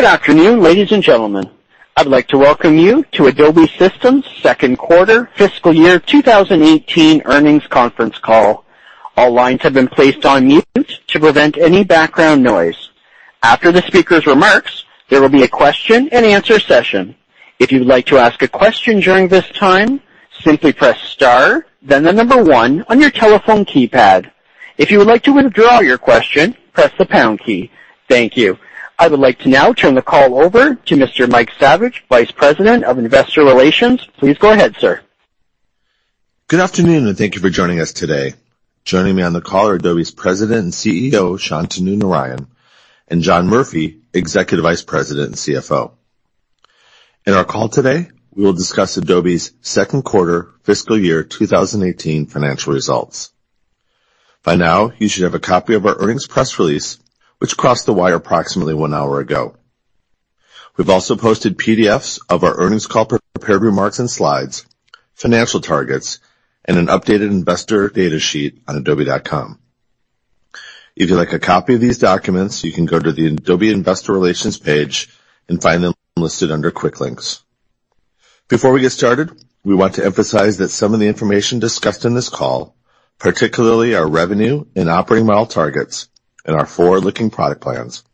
Good afternoon, ladies and gentlemen. I'd like to welcome you to Adobe Systems' second quarter fiscal year 2018 earnings conference call. All lines have been placed on mute to prevent any background noise. After the speaker's remarks, there will be a question and answer session. If you'd like to ask a question during this time, simply press star, then the number 1 on your telephone keypad. If you would like to withdraw your question, press the pound key. Thank you. I would like to now turn the call over to Mr. Mike Saviage, Vice President of Investor Relations. Please go ahead, sir. Good afternoon. Thank you for joining us today. Joining me on the call are Adobe's President and CEO, Shantanu Narayen, and John Murphy, Executive Vice President and CFO. In our call today, we will discuss Adobe's second quarter fiscal year 2018 financial results. By now, you should have a copy of our earnings press release, which crossed the wire approximately one hour ago. We've also posted PDFs of our earnings call prepared remarks and slides, financial targets, and an updated investor data sheet on adobe.com. If you'd like a copy of these documents, you can go to the Adobe Investor Relations page and find them listed under quick links. Before we get started, we want to emphasize that some of the information discussed in this call, particularly our revenue and operating model targets and our forward-looking product plans,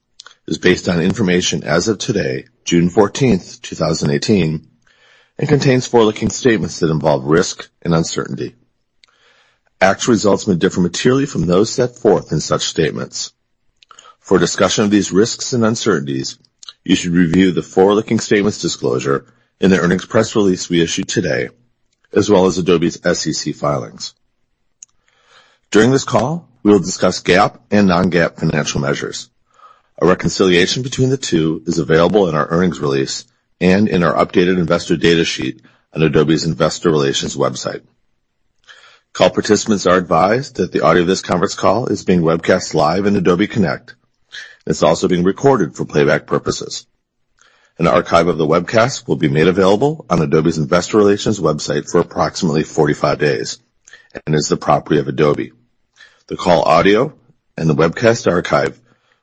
is based on information as of today, June 14, 2018, and contains forward-looking statements that involve risk and uncertainty. Actual results may differ materially from those set forth in such statements. For a discussion of these risks and uncertainties, you should review the forward-looking statements disclosure in the earnings press release we issued today, as well as Adobe's SEC filings. During this call, we will discuss GAAP and non-GAAP financial measures. A reconciliation between the two is available in our earnings release and in our updated investor data sheet on Adobe's investor relations website. Call participants are advised that the audio of this conference call is being webcast live in Adobe Connect. It's also being recorded for playback purposes. An archive of the webcast will be made available on Adobe's investor relations website for approximately 45 days and is the property of Adobe. The call audio and the webcast archive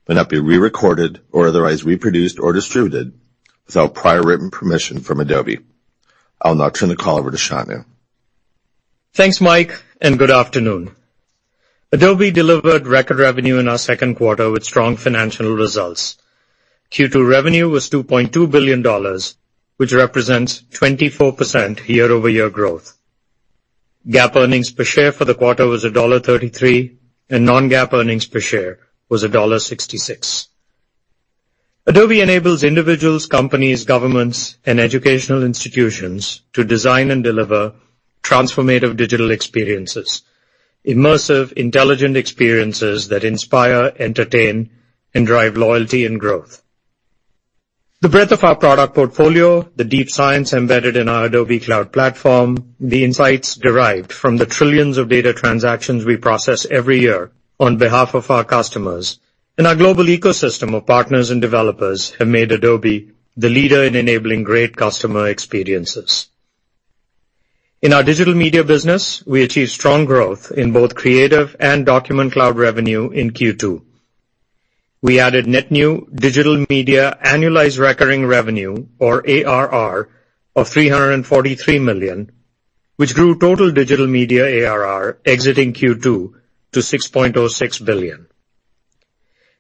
may not be re-recorded or otherwise reproduced or distributed without prior written permission from Adobe. I'll now turn the call over to Shantanu. Thanks, Mike, and good afternoon. Adobe delivered record revenue in our second quarter with strong financial results. Q2 revenue was $2.2 billion, which represents 24% year-over-year growth. GAAP earnings per share for the quarter was $1.33, and non-GAAP earnings per share was $1.66. Adobe enables individuals, companies, governments, and educational institutions to design and deliver transformative digital experiences, immersive, intelligent experiences that inspire, entertain, and drive loyalty and growth. The breadth of our product portfolio, the deep science embedded in our Adobe Cloud Platform, the insights derived from the trillions of data transactions we process every year on behalf of our customers, and our global ecosystem of partners and developers have made Adobe the leader in enabling great customer experiences. In our digital media business, we achieved strong growth in both Creative and Document Cloud revenue in Q2. We added net new digital media annualized recurring revenue, or ARR, of $343 million, which grew total digital media ARR exiting Q2 to $6.06 billion.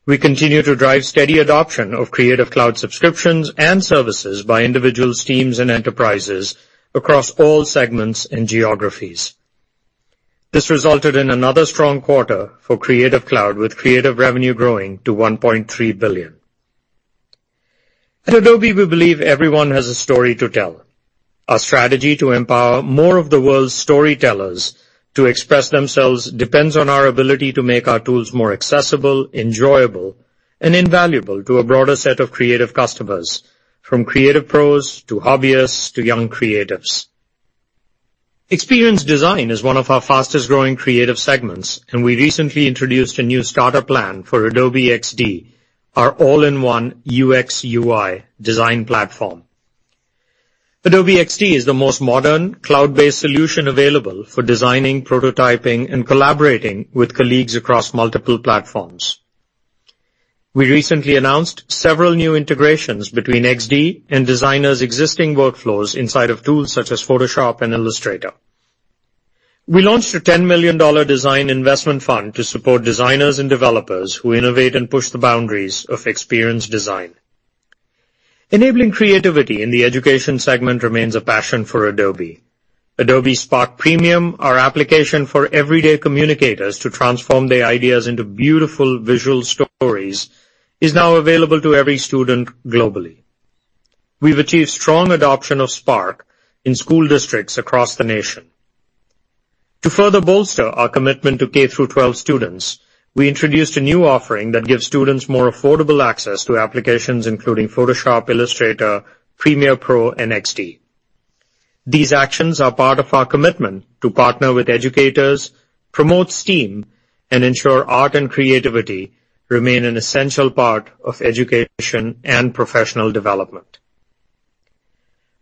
We continue to drive steady adoption of Creative Cloud subscriptions and services by individuals, teams, and enterprises across all segments and geographies. This resulted in another strong quarter for Creative Cloud, with Creative revenue growing to $1.3 billion. At Adobe, we believe everyone has a story to tell. Our strategy to empower more of the world's storytellers to express themselves depends on our ability to make our tools more accessible, enjoyable, and invaluable to a broader set of creative customers, from creative pros to hobbyists to young creatives. Experience design is one of our fastest-growing creative segments. We recently introduced a new starter plan for Adobe XD, our all-in-one UX/UI design platform. Adobe XD is the most modern cloud-based solution available for designing, prototyping, and collaborating with colleagues across multiple platforms. We recently announced several new integrations between XD and designers' existing workflows inside of tools such as Photoshop and Illustrator. We launched a $10 million design investment fund to support designers and developers who innovate and push the boundaries of experience design. Enabling creativity in the education segment remains a passion for Adobe. Adobe Spark Premium, our application for everyday communicators to transform their ideas into beautiful visual stories, is now available to every student globally. We've achieved strong adoption of Spark in school districts across the nation. To further bolster our commitment to K through 12 students, we introduced a new offering that gives students more affordable access to applications including Photoshop, Illustrator, Premiere Pro, and XD. These actions are part of our commitment to partner with educators, promote STEAM, and ensure art and creativity remain an essential part of education and professional development.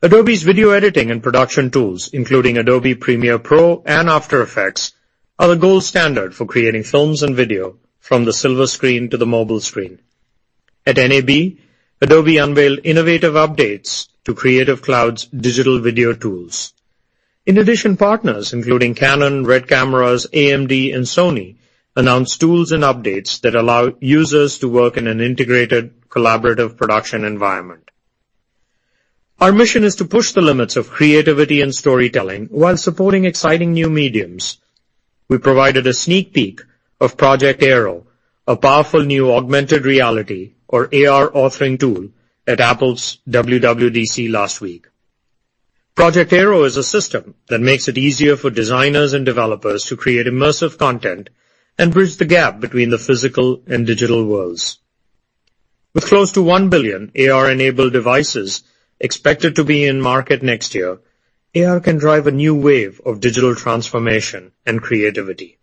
Adobe's video editing and production tools, including Adobe Premiere Pro and After Effects, are the gold standard for creating films and video from the silver screen to the mobile screen. At NAB, Adobe unveiled innovative updates to Creative Cloud's digital video tools. In addition, partners including Canon Inc., RED Digital Cinema, AMD, and Sony announced tools and updates that allow users to work in an integrated, collaborative production environment. Our mission is to push the limits of creativity and storytelling while supporting exciting new mediums. We provided a sneak peek of Project Aero, a powerful new augmented reality, or AR, authoring tool at Apple's WWDC last week. Project Aero is a system that makes it easier for designers and developers to create immersive content and bridge the gap between the physical and digital worlds. With close to 1 billion AR-enabled devices expected to be in market next year, AR can drive a new wave of digital transformation and creativity.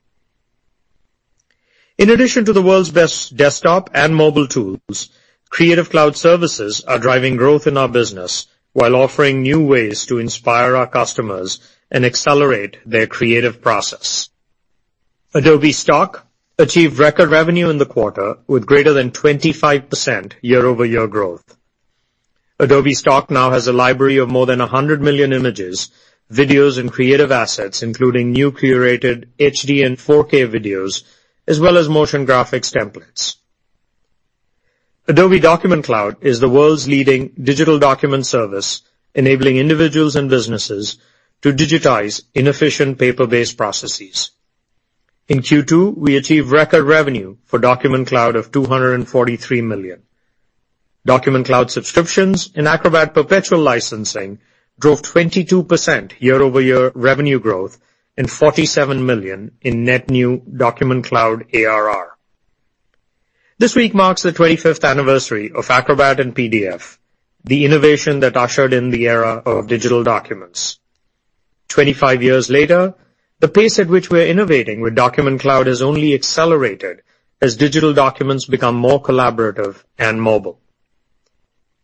In addition to the world's best desktop and mobile tools, Creative Cloud services are driving growth in our business while offering new ways to inspire our customers and accelerate their creative process. Adobe Stock achieved record revenue in the quarter with greater than 25% year-over-year growth. Adobe Stock now has a library of more than 100 million images, videos, and creative assets, including new curated HD and 4K videos, as well as motion graphics templates. Adobe Document Cloud is the world's leading digital document service, enabling individuals and businesses to digitize inefficient paper-based processes. In Q2, we achieved record revenue for Document Cloud of $243 million. Document Cloud subscriptions and Acrobat perpetual licensing drove 22% year-over-year revenue growth and $47 million in net new Document Cloud ARR. This week marks the 25th anniversary of Acrobat and PDF, the innovation that ushered in the era of digital documents. 25 years later, the pace at which we're innovating with Document Cloud has only accelerated as digital documents become more collaborative and mobile.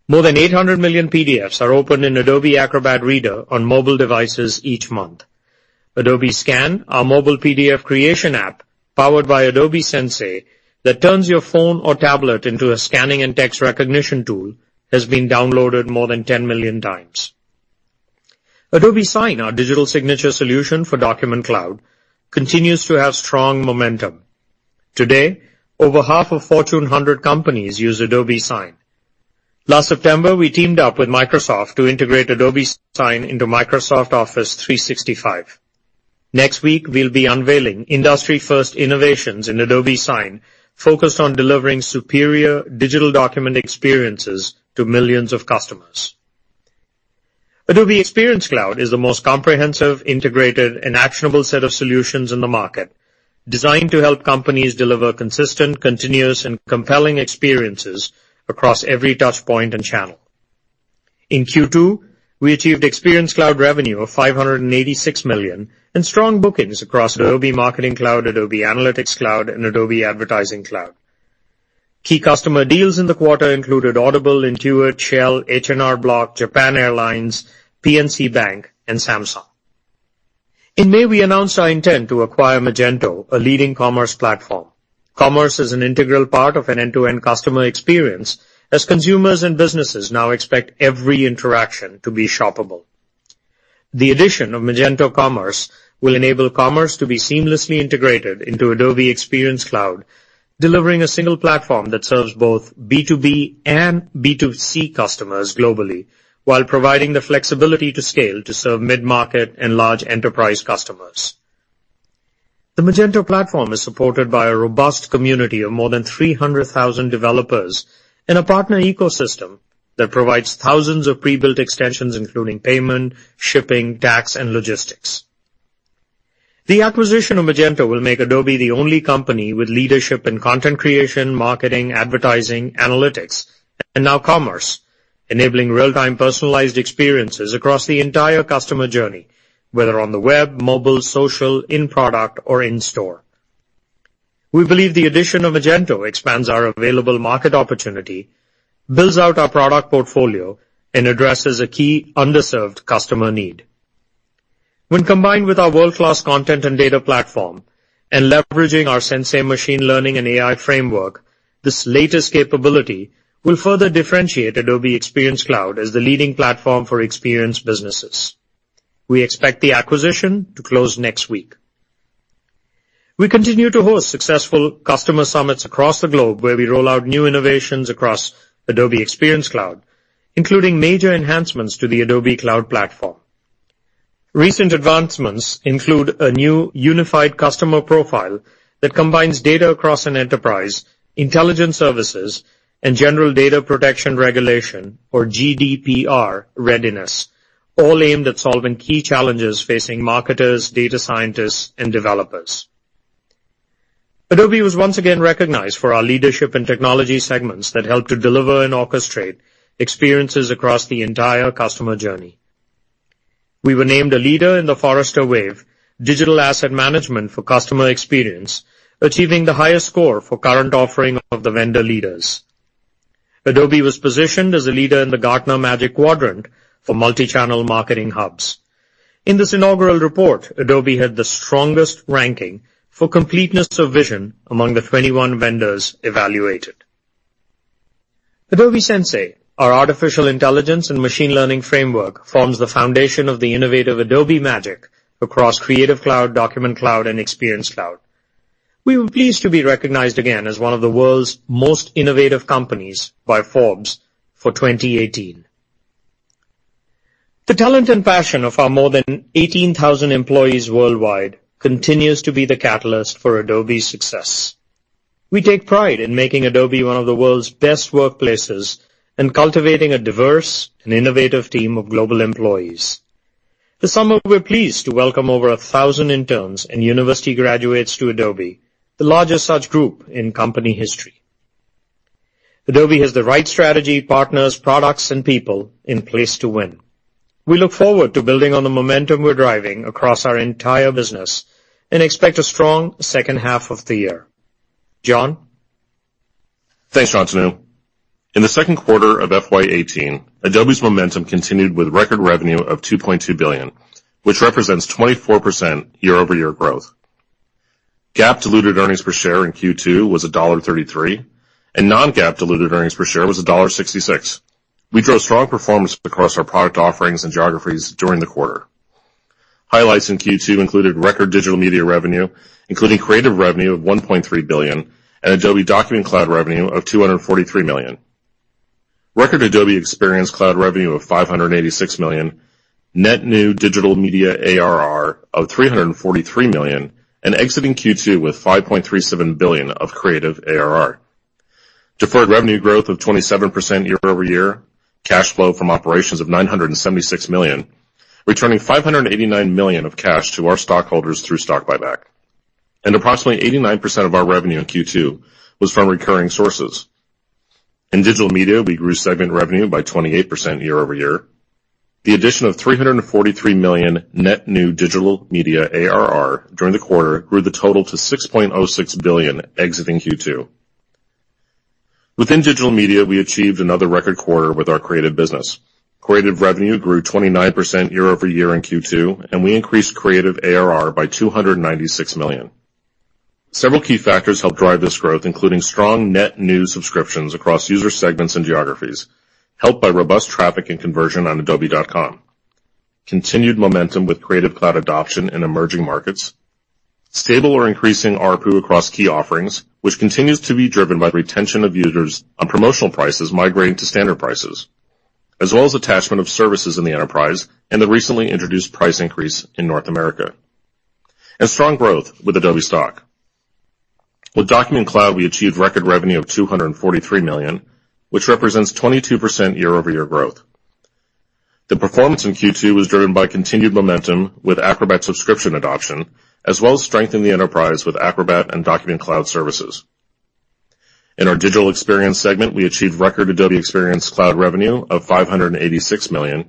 More than 800 million PDFs are opened in Adobe Acrobat Reader on mobile devices each month. Adobe Scan, our mobile PDF creation app powered by Adobe Sensei that turns your phone or tablet into a scanning and text recognition tool, has been downloaded more than 10 million times. Adobe Sign, our digital signature solution for Document Cloud, continues to have strong momentum. Today, over half of Fortune 100 companies use Adobe Sign. Last September, we teamed up with Microsoft to integrate Adobe Sign into Microsoft Office 365. Next week, we'll be unveiling industry-first innovations in Adobe Sign focused on delivering superior digital document experiences to millions of customers. Adobe Experience Cloud is the most comprehensive, integrated, and actionable set of solutions in the market, designed to help companies deliver consistent, continuous, and compelling experiences across every touch point and channel. In Q2, we achieved Experience Cloud revenue of $586 million and strong bookings across Adobe Marketing Cloud, Adobe Analytics Cloud, and Adobe Advertising Cloud. Key customer deals in the quarter included Audible, Intuit, Shell, H&R Block, Japan Airlines, PNC Bank, and Samsung. In May, we announced our intent to acquire Magento, a leading commerce platform. Commerce is an integral part of an end-to-end customer experience as consumers and businesses now expect every interaction to be shoppable. The addition of Magento Commerce will enable commerce to be seamlessly integrated into Adobe Experience Cloud, delivering a single platform that serves both B2B and B2C customers globally while providing the flexibility to scale to serve mid-market and large enterprise customers. The Magento platform is supported by a robust community of more than 300,000 developers and a partner ecosystem that provides thousands of pre-built extensions, including payment, shipping, tax, and logistics. The acquisition of Magento will make Adobe the only company with leadership in content creation, marketing, advertising, analytics, and now commerce, enabling real-time personalized experiences across the entire customer journey, whether on the web, mobile, social, in product, or in store. We believe the addition of Magento expands our available market opportunity, builds out our product portfolio, and addresses a key underserved customer need. When combined with our world-class content and data platform and leveraging our Sensei machine learning and AI framework, this latest capability will further differentiate Adobe Experience Cloud as the leading platform for experience businesses. We expect the acquisition to close next week. We continue to host successful customer summits across the globe where we roll out new innovations across Adobe Experience Cloud, including major enhancements to the Adobe Cloud Platform. Recent advancements include a new unified customer profile that combines data across an enterprise, intelligence services, and General Data Protection Regulation, or GDPR, readiness, all aimed at solving key challenges facing marketers, data scientists, and developers. Adobe was once again recognized for our leadership in technology segments that help to deliver and orchestrate experiences across the entire customer journey. We were named a leader in the Forrester Wave digital asset management for customer experience, achieving the highest score for current offering of the vendor leaders. Adobe was positioned as a leader in the Gartner Magic Quadrant for multi-channel marketing hubs. In this inaugural report, Adobe had the strongest ranking for completeness of vision among the 21 vendors evaluated. Adobe Sensei, our artificial intelligence and machine learning framework, forms the foundation of the innovative Adobe Magic across Creative Cloud, Document Cloud and Experience Cloud. We were pleased to be recognized again as one of the world's most innovative companies by Forbes for 2018. The talent and passion of our more than 18,000 employees worldwide continues to be the catalyst for Adobe's success. We take pride in making Adobe one of the world's best workplaces and cultivating a diverse and innovative team of global employees. This summer, we're pleased to welcome over 1,000 interns and university graduates to Adobe, the largest such group in company history. Adobe has the right strategy, partners, products, and people in place to win. We look forward to building on the momentum we're driving across our entire business and expect a strong second half of the year. John? Thanks, Shantanu. In the second quarter of FY 2018, Adobe's momentum continued with record revenue of $2.2 billion, which represents 24% year-over-year growth. GAAP diluted earnings per share in Q2 was $1.33, and non-GAAP diluted earnings per share was $1.66. We drove strong performance across our product offerings and geographies during the quarter. Highlights in Q2 included record Digital Media revenue, including Creative revenue of $1.3 billion and Adobe Document Cloud revenue of $243 million. Record Adobe Experience Cloud revenue of $586 million, net new Digital Media ARR of $343 million, and exiting Q2 with $5.37 billion of Creative ARR. Deferred revenue growth of 27% year-over-year, cash flow from operations of $976 million, returning $589 million of cash to our stockholders through stock buyback. Approximately 89% of our revenue in Q2 was from recurring sources. In Digital Media, we grew segment revenue by 28% year-over-year. The addition of $343 million net new digital media ARR during the quarter grew the total to $6.06 billion exiting Q2. Within digital media, we achieved another record quarter with our creative business. Creative revenue grew 29% year-over-year in Q2, we increased creative ARR by $296 million. Several key factors helped drive this growth, including strong net new subscriptions across user segments and geographies, helped by robust traffic and conversion on adobe.com. Continued momentum with Creative Cloud adoption in emerging markets, stable or increasing ARPU across key offerings, which continues to be driven by the retention of users on promotional prices migrating to standard prices, as well as attachment of services in the enterprise and the recently introduced price increase in North America. Strong growth with Adobe Stock. With Document Cloud, we achieved record revenue of $243 million, which represents 22% year-over-year growth. The performance in Q2 was driven by continued momentum with Acrobat subscription adoption, as well as strength in the enterprise with Acrobat and Document Cloud services. In our digital experience segment, we achieved record Adobe Experience Cloud revenue of $586 million,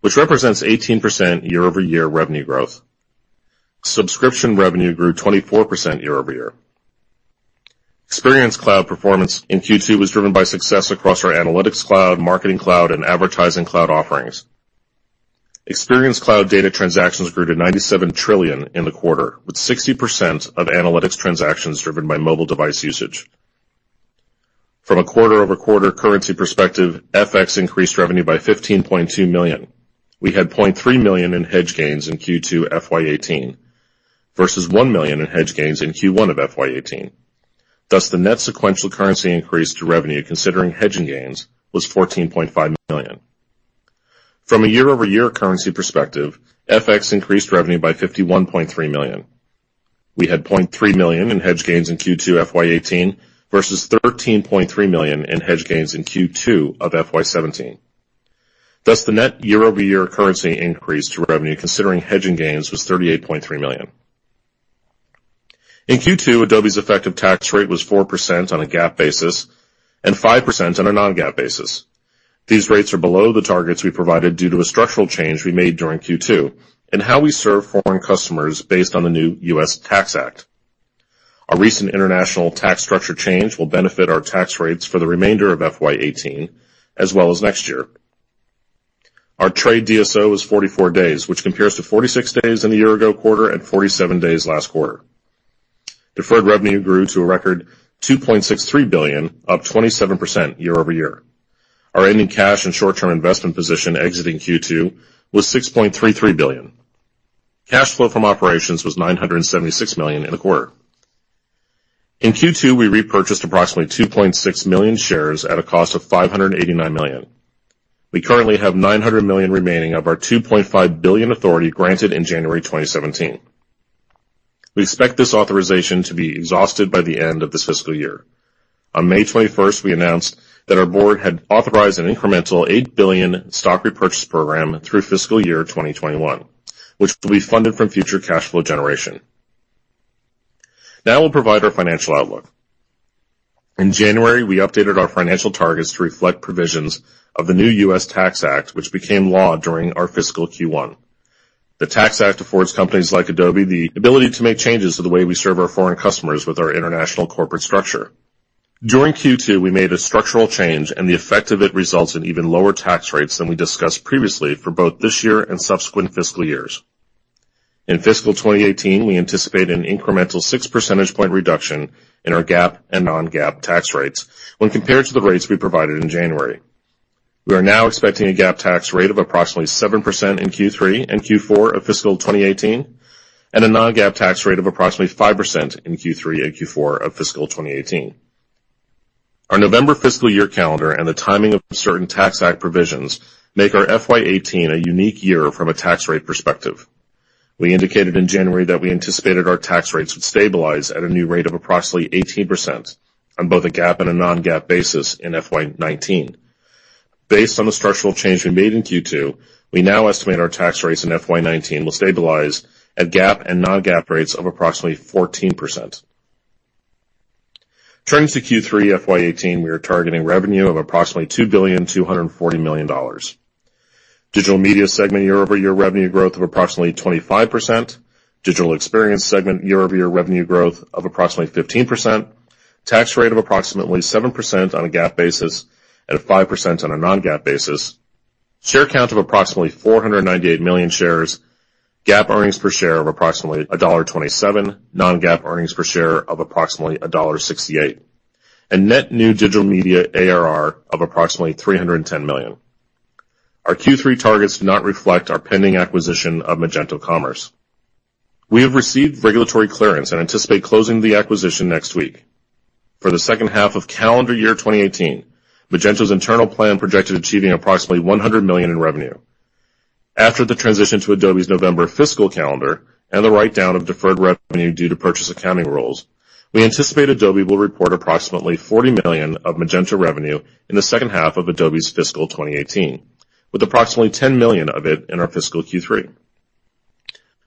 which represents 18% year-over-year revenue growth. Subscription revenue grew 24% year-over-year. Experience Cloud performance in Q2 was driven by success across our Analytics Cloud, Marketing Cloud, and Advertising Cloud offerings. Experience Cloud data transactions grew to 97 trillion in the quarter, with 60% of analytics transactions driven by mobile device usage. From a quarter-over-quarter currency perspective, FX increased revenue by $15.2 million. We had $0.3 million in hedge gains in Q2 FY 2018 versus $1 million in hedge gains in Q1 of FY 2018. Thus, the net sequential currency increase to revenue considering hedging gains was $14.5 million. From a year-over-year currency perspective, FX increased revenue by $51.3 million. We had $0.3 million in hedge gains in Q2 FY 2018 versus $13.3 million in hedge gains in Q2 of FY 2017. Thus, the net year-over-year currency increase to revenue considering hedging gains was $38.3 million. In Q2, Adobe's effective tax rate was 4% on a GAAP basis and 5% on a non-GAAP basis. These rates are below the targets we provided due to a structural change we made during Q2 and how we serve foreign customers based on the new U.S. Tax Act. Our recent international tax structure change will benefit our tax rates for the remainder of FY 2018 as well as next year. Our trade DSO was 44 days, which compares to 46 days in the year ago quarter and 47 days last quarter. Deferred revenue grew to a record $2.63 billion, up 27% year-over-year. Our ending cash and short-term investment position exiting Q2 was $6.33 billion. Cash flow from operations was $976 million in the quarter. In Q2, we repurchased approximately 2.6 million shares at a cost of $589 million. We currently have $900 million remaining of our $2.5 billion authority granted in January 2017. We expect this authorization to be exhausted by the end of this fiscal year. On May 21st, we announced that our board had authorized an incremental $8 billion stock repurchase program through fiscal year 2021, which will be funded from future cash flow generation. We'll provide our financial outlook. In January, we updated our financial targets to reflect provisions of the new U.S. Tax Act, which became law during our fiscal Q1. The Tax Act affords companies like Adobe the ability to make changes to the way we serve our foreign customers with our international corporate structure. During Q2, we made a structural change. The effect of it results in even lower tax rates than we discussed previously for both this year and subsequent fiscal years. In fiscal 2018, we anticipate an incremental six percentage point reduction in our GAAP and non-GAAP tax rates when compared to the rates we provided in January. We are now expecting a GAAP tax rate of approximately 7% in Q3 and Q4 of fiscal 2018, and a non-GAAP tax rate of approximately 5% in Q3 and Q4 of fiscal 2018. Our November fiscal year calendar and the timing of certain tax act provisions make our FY 2018 a unique year from a tax rate perspective. We indicated in January that we anticipated our tax rates would stabilize at a new rate of approximately 18% on both a GAAP and a non-GAAP basis in FY 2019. Based on the structural change we made in Q2, we now estimate our tax rates in FY 2019 will stabilize at GAAP and non-GAAP rates of approximately 14%. Turning to Q3 FY 2018, we are targeting revenue of approximately $2.24 billion. Digital Media segment year-over-year revenue growth of approximately 25%, Digital Experience segment year-over-year revenue growth of approximately 15%, tax rate of approximately 7% on a GAAP basis and 5% on a non-GAAP basis. Share count of approximately 498 million shares, GAAP earnings per share of approximately $1.27, non-GAAP earnings per share of approximately $1.68, and net new Digital Media ARR of approximately $310 million. Our Q3 targets do not reflect our pending acquisition of Magento Commerce. We have received regulatory clearance and anticipate closing the acquisition next week. For the second half of calendar year 2018, Magento's internal plan projected achieving approximately $100 million in revenue. After the transition to Adobe's November fiscal calendar and the write-down of deferred revenue due to purchase accounting rules, we anticipate Adobe will report approximately $40 million of Magento revenue in the second half of Adobe's fiscal 2018, with approximately $10 million of it in our fiscal Q3.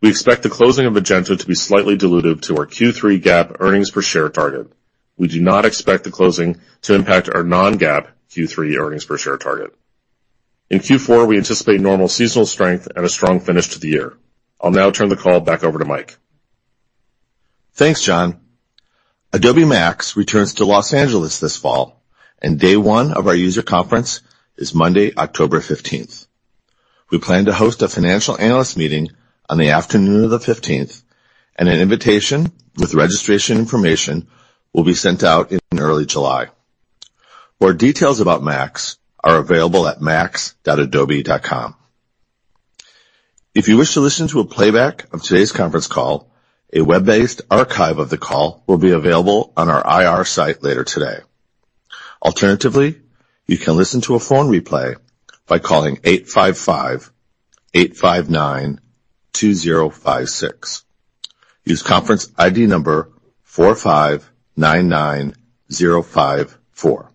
We expect the closing of Magento to be slightly dilutive to our Q3 GAAP earnings per share target. We do not expect the closing to impact our non-GAAP Q3 earnings per share target. In Q4, we anticipate normal seasonal strength and a strong finish to the year. I'll now turn the call back over to Mike. Thanks, John. Adobe MAX returns to Los Angeles this fall. Day one of our user conference is Monday, October 15th. We plan to host a financial analyst meeting on the afternoon of the 15th. An invitation with registration information will be sent out in early July. More details about Adobe MAX are available at max.adobe.com. If you wish to listen to a playback of today's conference call, a web-based archive of the call will be available on our IR site later today. Alternatively, you can listen to a phone replay by calling 855-859-2056. Use conference ID number 4599054.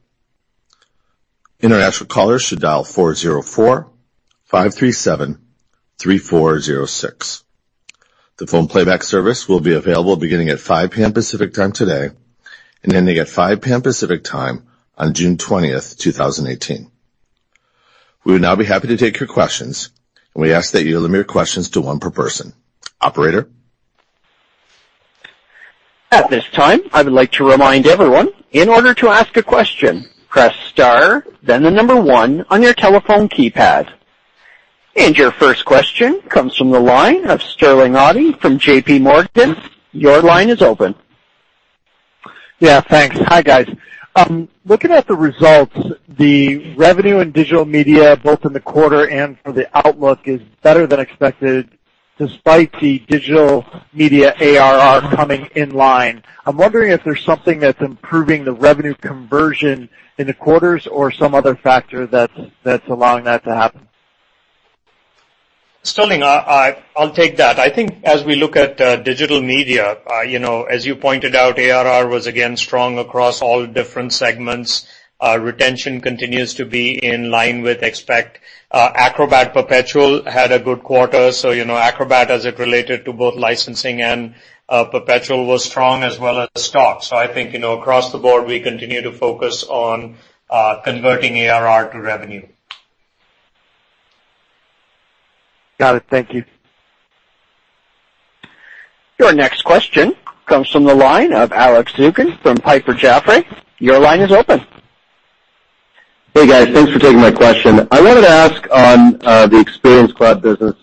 International callers should dial 404-537-3406. The phone playback service will be available beginning at 5:00 P.M. Pacific Time today, and ending at 5:00 P.M. Pacific Time on June 20th, 2018. We would now be happy to take your questions. We ask that you limit questions to one per person. Operator? At this time, I would like to remind everyone, in order to ask a question, press star, then the number 1 on your telephone keypad. Your first question comes from the line of Sterling Auty from JPMorgan. Your line is open. Yeah, thanks. Hi, guys. Looking at the results, the revenue in Digital Media, both in the quarter and for the outlook, is better than expected, despite the Digital Media ARR coming in line. I'm wondering if there's something that's improving the revenue conversion in the quarters or some other factor that's allowing that to happen. Sterling, I'll take that. I think as we look at Digital Media, as you pointed out, ARR was again strong across all different segments. Retention continues to be in line with expectations. Acrobat Perpetual had a good quarter, so Acrobat, as it related to both licensing and perpetual, was strong, as well as Stock. I think across the board, we continue to focus on converting ARR to revenue. Got it. Thank you. Your next question comes from the line of Alex Zukin from Piper Jaffray. Your line is open. Hey, guys. Thanks for taking my question. I wanted to ask on the Experience Cloud business.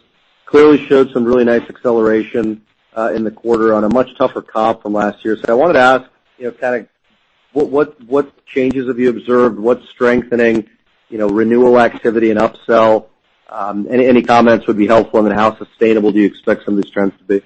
Clearly showed some really nice acceleration in the quarter on a much tougher comp from last year. I wanted to ask, what changes have you observed? What's strengthening renewal activity and upsell? Any comments would be helpful, and how sustainable do you expect some of these trends to be?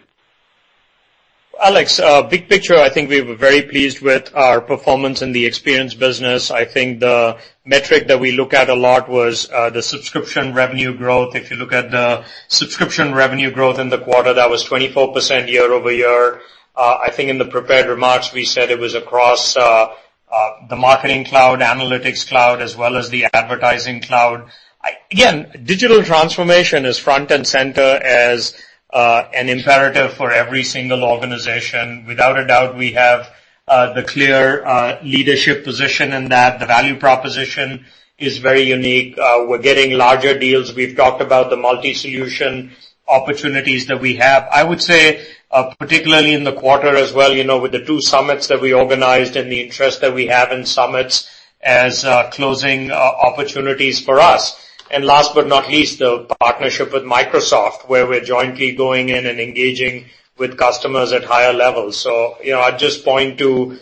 Alex, big picture, I think we were very pleased with our performance in the Experience business. I think the metric that we look at a lot was the subscription revenue growth. If you look at the subscription revenue growth in the quarter, that was 24% year-over-year. I think in the prepared remarks, we said it was the Marketing Cloud, Analytics Cloud, as well as the Advertising Cloud. Again, digital transformation is front and center as an imperative for every single organization. Without a doubt, we have the clear leadership position in that the value proposition is very unique. We're getting larger deals. We've talked about the multi-solution opportunities that we have. I would say, particularly in the quarter as well, with the two summits that we organized and the interest that we have in summits as closing opportunities for us. Last but not least, the partnership with Microsoft, where we're jointly going in and engaging with customers at higher levels. I'd just point to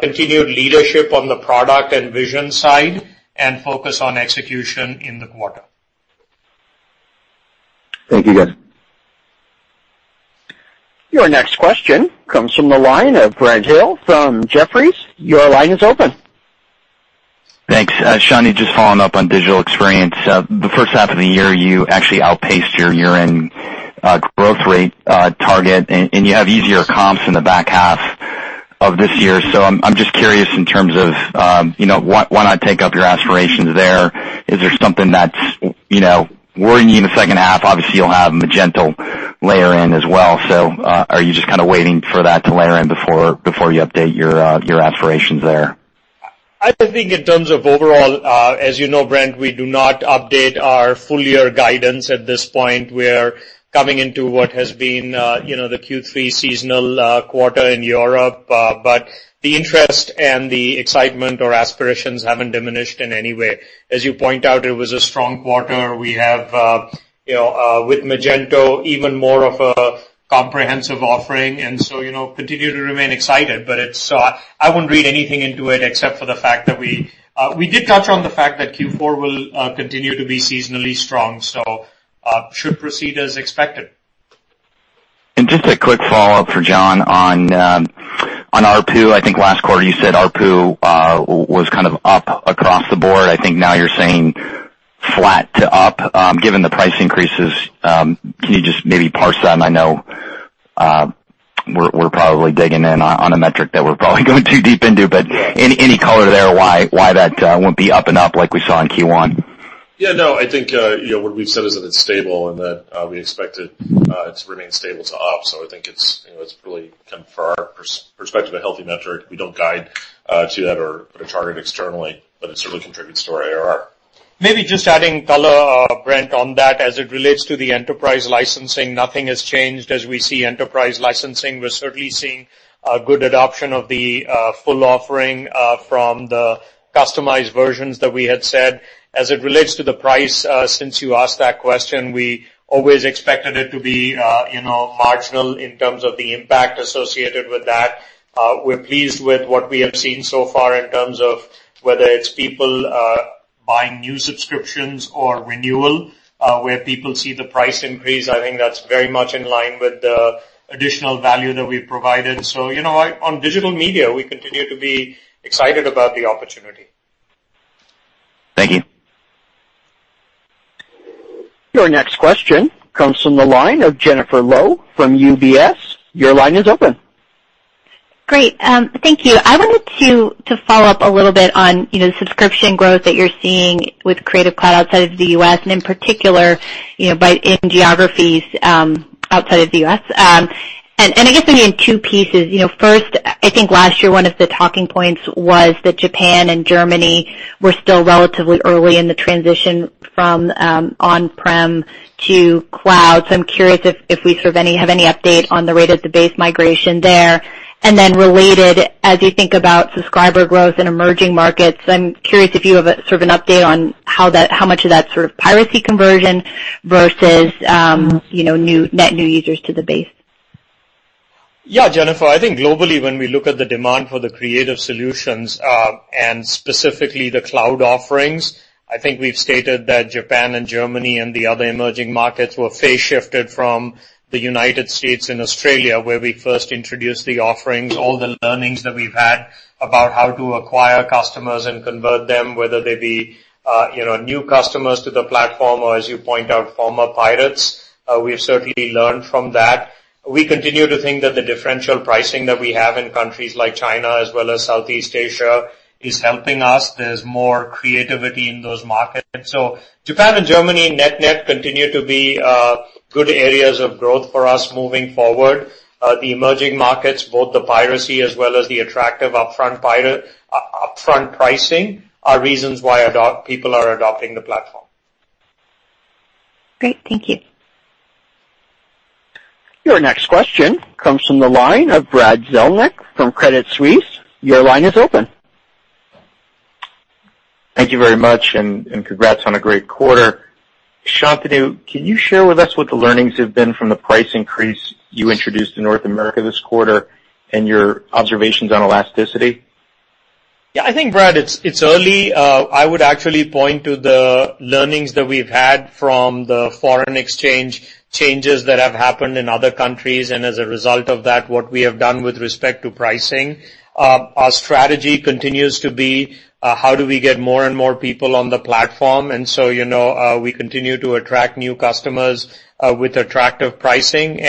continued leadership on the product and vision side, and focus on execution in the quarter. Thank you, guys. Your next question comes from the line of Brent Thill from Jefferies. Your line is open. Thanks. Shantanu, just following up on digital experience. The first half of the year, you actually outpaced your year-end growth rate target, and you have easier comps in the back half of this year. I'm just curious in terms of why not take up your aspirations there? Is there something that's worrying you in the second half? Obviously, you'll have Magento layer in as well. Are you just kind of waiting for that to layer in before you update your aspirations there? I think in terms of overall, as you know, Brent, we do not update our full-year guidance at this point. We're coming into what has been the Q3 seasonal quarter in Europe. The interest and the excitement or aspirations haven't diminished in any way. As you point out, it was a strong quarter. We have, with Magento, even more of a comprehensive offering. Continue to remain excited. I wouldn't read anything into it except for the fact that We did touch on the fact that Q4 will continue to be seasonally strong, so should proceed as expected. just a quick follow-up for John on ARPU. I think last quarter you said ARPU was kind of up across the board. I think now you're saying flat to up. Given the price increases, can you just maybe parse that? I know we're probably digging in on a metric that we're probably going too deep into, but any color there why that won't be up and up like we saw in Q1? I think what we've said is that it's stable and that we expect it to remain stable to up. I think it's really, from our perspective, a healthy metric. We don't guide to that or chart it externally, but it certainly contributes to our ARR. Maybe just adding color, Brent, on that. As it relates to the enterprise licensing, nothing has changed as we see enterprise licensing. We're certainly seeing a good adoption of the full offering from the customized versions that we had said. As it relates to the price, since you asked that question, we always expected it to be marginal in terms of the impact associated with that. We're pleased with what we have seen so far in terms of whether it's people buying new subscriptions or renewal, where people see the price increase. I think that's very much in line with the additional value that we've provided. On digital media, we continue to be excited about the opportunity. Thank you. Your next question comes from the line of Jennifer Lowe from UBS. Your line is open. Great. Thank you. I wanted to follow up a little bit on the subscription growth that you're seeing with Creative Cloud outside of the U.S., and in particular, in geographies outside of the U.S. I guess maybe in two pieces. First, I think last year one of the talking points was that Japan and Germany were still relatively early in the transition from on-prem to cloud. I'm curious if we have any update on the rate of the base migration there. Related, as you think about subscriber growth in emerging markets, I'm curious if you have sort of an update on how much of that sort of piracy conversion versus net new users to the base. Yeah, Jennifer, I think globally, when we look at the demand for the creative solutions, and specifically the cloud offerings, I think we've stated that Japan and Germany and the other emerging markets were phase shifted from the United States and Australia, where we first introduced the offerings. All the learnings that we've had about how to acquire customers and convert them, whether they be new customers to the platform or, as you point out, former pirates. We've certainly learned from that. We continue to think that the differential pricing that we have in countries like China as well as Southeast Asia is helping us. There's more creativity in those markets. Japan and Germany net-net continue to be good areas of growth for us moving forward. The emerging markets, both the piracy as well as the attractive upfront pricing, are reasons why people are adopting the platform. Great. Thank you. Your next question comes from the line of Brad Zelnick from Credit Suisse. Your line is open. Thank you very much, and congrats on a great quarter. Shantanu, can you share with us what the learnings have been from the price increase you introduced in North America this quarter, and your observations on elasticity? Yeah, I think, Brad, it's early. I would actually point to the learnings that we've had from the foreign exchange changes that have happened in other countries, and as a result of that, what we have done with respect to pricing. Our strategy continues to be, how do we get more and more people on the platform? We continue to attract new customers with attractive pricing.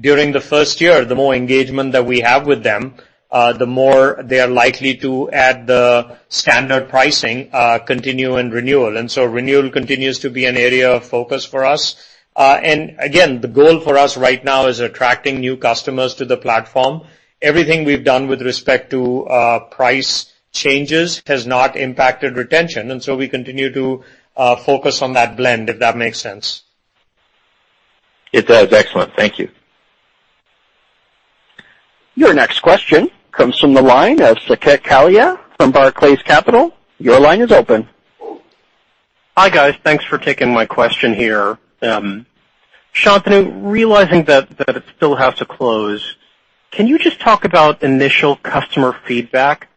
During the first year, the more engagement that we have with them, the more they're likely to add the standard pricing continue and renewal. Renewal continues to be an area of focus for us. Again, the goal for us right now is attracting new customers to the platform. Everything we've done with respect to price changes has not impacted retention, so we continue to focus on that blend, if that makes sense. It does. Excellent. Thank you. Your next question comes from the line of Saket Kalia from Barclays Capital. Your line is open. Hi, guys. Thanks for taking my question here. Shantanu, realizing that it still has to close, can you just talk about initial customer feedback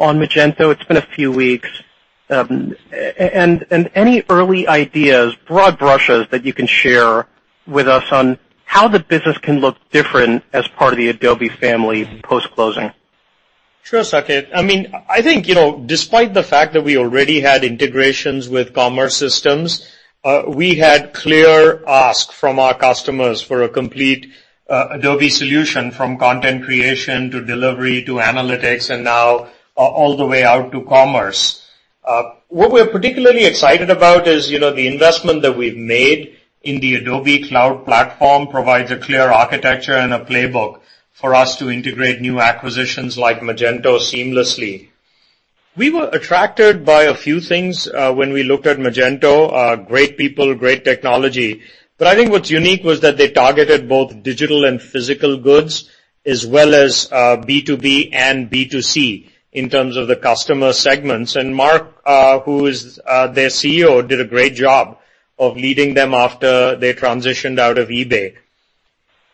on Magento? It's been a few weeks. Any early ideas, broad brushes, that you can share with us on how the business can look different as part of the Adobe family post-closing? Sure, Saket. I think, despite the fact that we already had integrations with commerce systems, we had clear ask from our customers for a complete Adobe solution, from content creation, to delivery, to analytics, now all the way out to commerce. What we're particularly excited about is the investment that we've made in the Adobe Cloud Platform provides a clear architecture and a playbook for us to integrate new acquisitions like Magento seamlessly. We were attracted by a few things when we looked at Magento, great people, great technology. I think what's unique was that they targeted both digital and physical goods, as well as B2B and B2C, in terms of the customer segments. Mark, who is their CEO, did a great job of leading them after they transitioned out of eBay.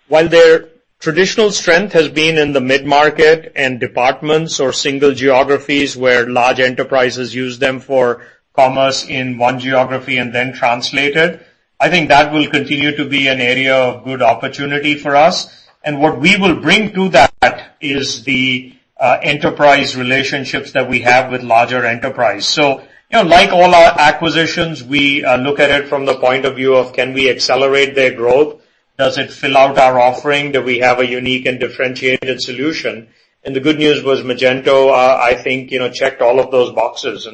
While their traditional strength has been in the mid-market and departments or single geographies where large enterprises use them for commerce in one geography and then translate it, I think that will continue to be an area of good opportunity for us. What we will bring to that is the enterprise relationships that we have with larger enterprise. Like all our acquisitions, we look at it from the point of view of can we accelerate their growth? Does it fill out our offering? Do we have a unique and differentiated solution? The good news was Magento, I think, checked all of those boxes.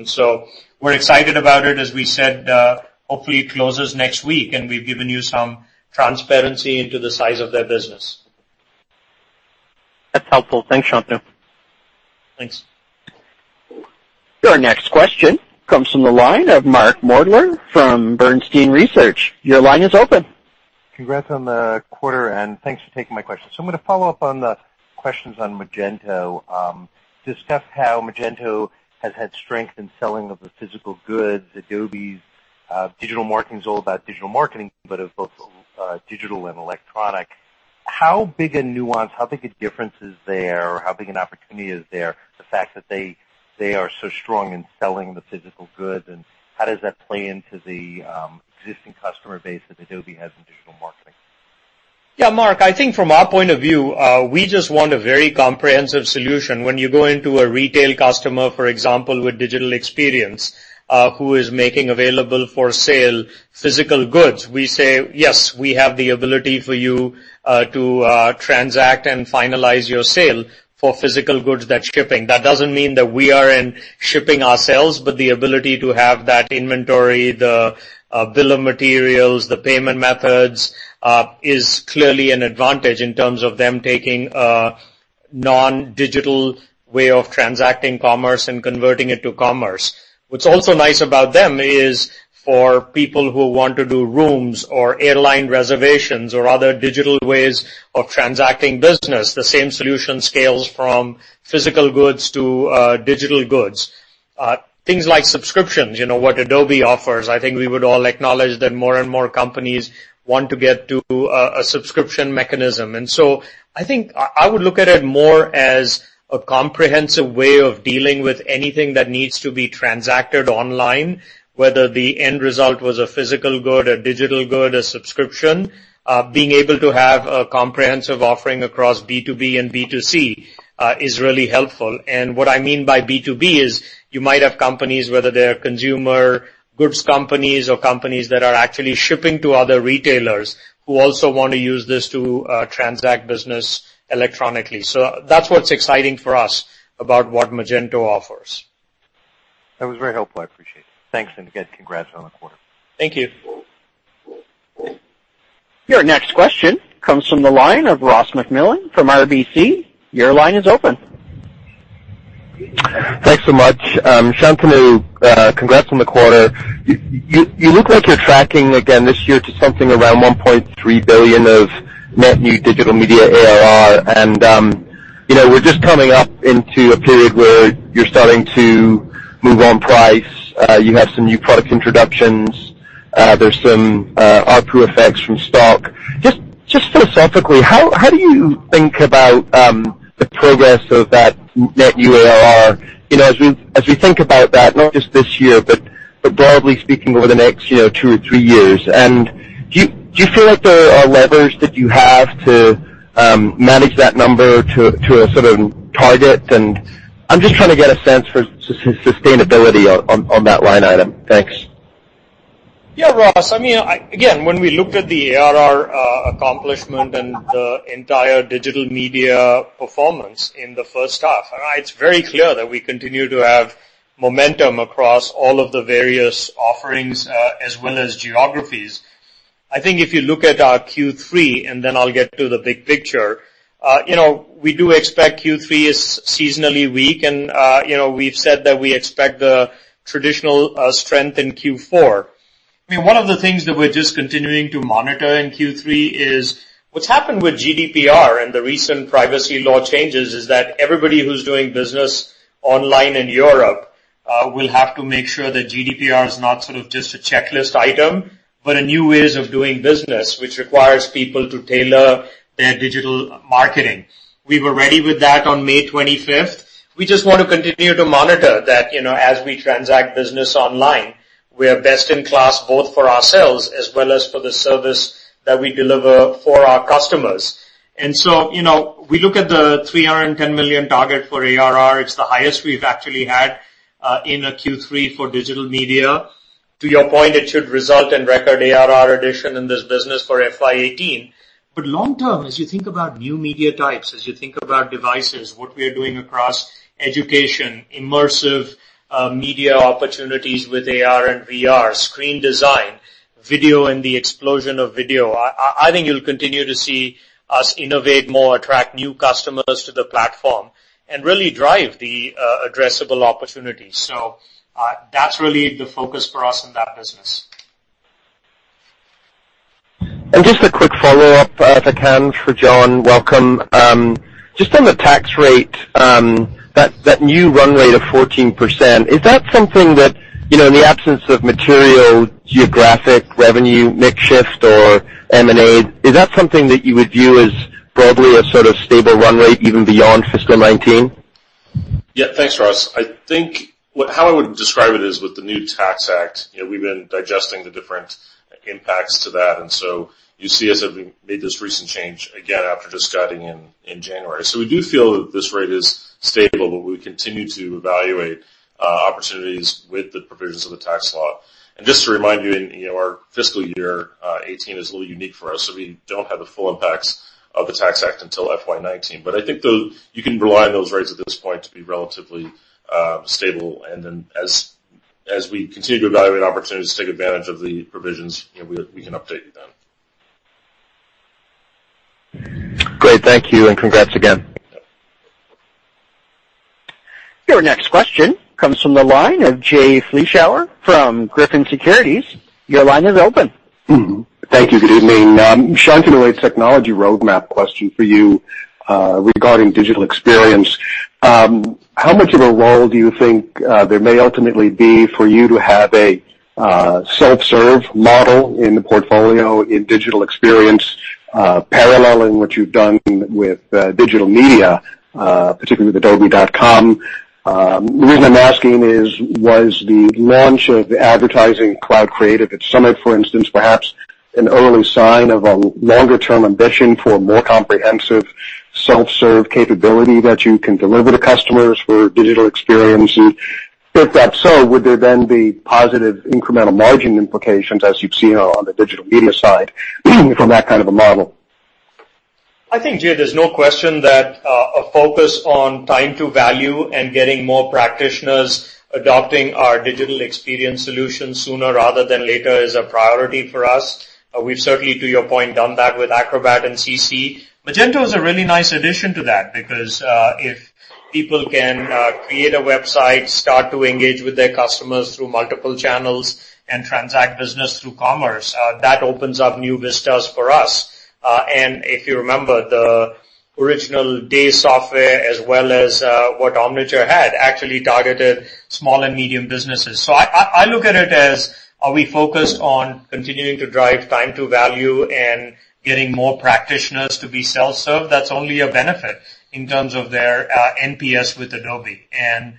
We're excited about it. As we said, hopefully it closes next week, we've given you some transparency into the size of their business. That's helpful. Thanks, Shantanu. Thanks. Your next question comes from the line of Mark Moerdler from Bernstein Research. Your line is open. Congrats on the quarter, and thanks for taking my question. I'm going to follow up on the questions on Magento. Discuss how Magento has had strength in selling of the physical goods. Adobe's digital marketing's all about digital marketing, but of both digital and electronic. How big a nuance, how big a difference is there, or how big an opportunity is there, the fact that they are so strong in selling the physical goods, and how does that play into the existing customer base that Adobe has in digital marketing? Mark, I think from our point of view, we just want a very comprehensive solution. When you go into a retail customer, for example, with digital experience, who is making available for sale physical goods, we say, "Yes, we have the ability for you to transact and finalize your sale for physical goods that's shipping." That doesn't mean that we are in shipping ourselves, but the ability to have that inventory, the bill of materials, the payment methods, is clearly an advantage in terms of them taking a non-digital way of transacting commerce and converting it to commerce. What's also nice about them is for people who want to do rooms or airline reservations or other digital ways of transacting business, the same solution scales from physical goods to digital goods. Things like subscriptions, what Adobe offers, I think we would all acknowledge that more and more companies want to get to a subscription mechanism. I think I would look at it more as a comprehensive way of dealing with anything that needs to be transacted online, whether the end result was a physical good, a digital good, a subscription. Being able to have a comprehensive offering across B2B and B2C is really helpful. What I mean by B2B is you might have companies, whether they're consumer goods companies or companies that are actually shipping to other retailers who also want to use this to transact business electronically. That's what's exciting for us about what Magento offers. That was very helpful. I appreciate it. Thanks, and again, congrats on the quarter. Thank you. Your next question comes from the line of Ross MacMillan from RBC. Your line is open. Thanks so much. Shantanu, congrats on the quarter. You look like you're tracking again this year to something around $1.3 billion of net new digital media ARR. We're just coming up into a period where you're starting to move on price. You have some new product introductions. There's some ARPU effects from stock. Just philosophically, how do you think about the progress of that net new ARR as we think about that, not just this year, but broadly speaking, over the next two or three years? Do you feel like there are levers that you have to manage that number to a sort of target? I'm just trying to get a sense for sustainability on that line item. Thanks. Yeah, Ross. Again, when we looked at the ARR accomplishment and the entire digital media performance in the first half, it's very clear that we continue to have momentum across all of the various offerings as well as geographies. I think if you look at our Q3, I'll get to the big picture, we do expect Q3 is seasonally weak. We've said that we expect the traditional strength in Q4. One of the things that we're just continuing to monitor in Q3 is what's happened with GDPR and the recent privacy law changes, is that everybody who's doing business online in Europe will have to make sure that GDPR is not sort of just a checklist item, but a new ways of doing business, which requires people to tailor their digital marketing. We were ready with that on May 25th. We just want to continue to monitor that as we transact business online, we are best in class both for ourselves as well as for the service that we deliver for our customers. We look at the $310 million target for ARR. It's the highest we've actually had in a Q3 for digital media. To your point, it should result in record ARR addition in this business for FY 2018. Long term, as you think about new media types, as you think about devices, what we are doing across education, immersive media opportunities with AR and VR, screen design, video, and the explosion of video, I think you'll continue to see us innovate more, attract new customers to the platform, and really drive the addressable opportunities. That's really the focus for us in that business. Just a quick follow-up, if I can, for John. Welcome. Just on the tax rate, that new run rate of 14%, is that something that, in the absence of material geographic revenue mix shift or M&A, is that something that you would view as broadly a sort of stable run rate even beyond fiscal 2019? Thanks, Ross. I think how I would describe it is with the new tax act, we've been digesting the different impacts to that. You see us having made this recent change again after discussing in January. We do feel that this rate is stable. We continue to evaluate opportunities with the provisions of the tax law. Just to remind you, our fiscal year 2018 is a little unique for us. We don't have the full impacts of the tax act until FY 2019. I think you can rely on those rates at this point to be relatively stable, and then as we continue to evaluate opportunities to take advantage of the provisions, we can update you then. Great. Thank you, and congrats again. Your next question comes from the line of Jay Vleeschhouwer from Griffin Securities. Your line is open. Thank you. Good evening. Shantanu, a technology roadmap question for you regarding digital experience. How much of a role do you think there may ultimately be for you to have a self-serve model in the portfolio in digital experience, paralleling what you've done with digital media, particularly with adobe.com? The reason I'm asking is, was the launch of the Advertising Cloud Creative at Summit, for instance, perhaps an early sign of a longer-term ambition for a more comprehensive self-serve capability that you can deliver to customers for digital experiences? If that's so, would there then be positive incremental margin implications, as you've seen on the digital media side from that kind of a model? I think, Jay, there's no question that a focus on time to value and getting more practitioners adopting our digital experience solutions sooner rather than later is a priority for us. We've certainly, to your point, done that with Acrobat and CC. Magento is a really nice addition to that because if people can create a website, start to engage with their customers through multiple channels, and transact business through commerce, that opens up new vistas for us. If you remember, the original Day Software, as well as what Omniture had, actually targeted small and medium businesses. I look at it as, are we focused on continuing to drive time to value and getting more practitioners to be self-serve? That's only a benefit in terms of their NPS with Adobe, and